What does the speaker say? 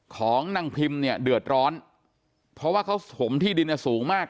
ของนางพิมเนี่ยเดือดร้อนเพราะว่าเขาถมที่ดินสูงมาก